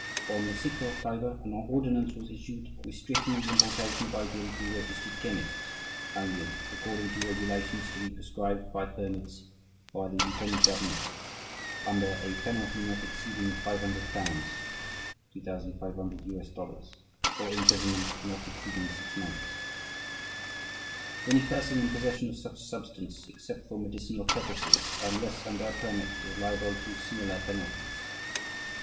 On 6th October, an ordinance was issued, restricting the importation of opium to registered chemists, only, according to regulations to be prescribed by permits by the lieutenant governor under a penalty not exceeding £500 ($2,500), or imprisonment not exceeding six months. "Any person in possession of such substance ... except for medicinal purposes, unless under a permit, is liable to similar penalties.